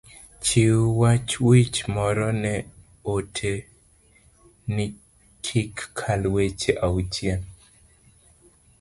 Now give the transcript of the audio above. chiw wach wich moro ne ote ni, kik kal weche auchiel